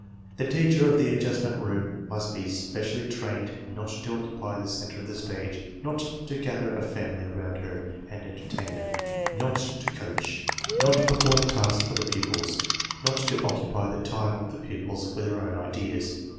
The teacher of the INSTRUCTION IN ADJUSTMENT ROOMS 67 Adjustment Room must be specially trained not to occupy the center of the stage, not to gather a family around her and entertain them, not to coach, not to perform tasks for the pupils, not to occupy the time of the pupils with her own ideas.